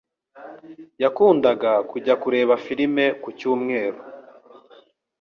Yakundaga kujya kureba firime ku cyumweru.